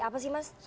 apa sih mas